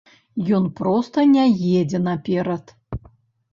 Ён проста не едзе наперад.